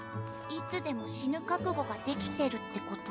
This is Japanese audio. いつでも死ぬ覚悟ができてるってこと？